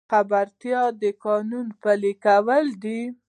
خبرتیا د قانون پلي کول دي